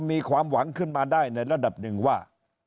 มีความหวังขึ้นมาได้ในระดับหนึ่งว่า